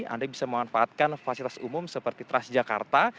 anda bisa memanfaatkan fasilitas umum seperti trust jakarta